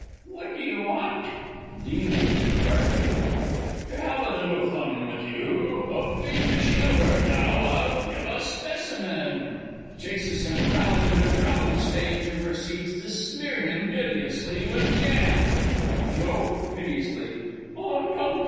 What do you want? Demon (darkly). To have a little fun with you! Of fiendish humour now I'll give a specimen. [Chases him round and round stage, and proceeds to smear him hideously with jam. Joe (piteously). Oh, don't!